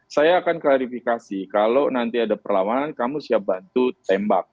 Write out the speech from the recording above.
saya akan klarifikasi kalau nanti ada perlawanan kamu siap bantu tembak